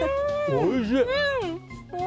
おいしい！